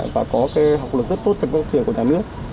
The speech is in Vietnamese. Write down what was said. và có cái học lực rất tốt trong các trường của đàn nước